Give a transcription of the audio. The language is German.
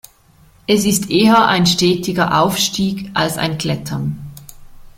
Es ist eher ein stetiger Aufstieg, als ein Klettern.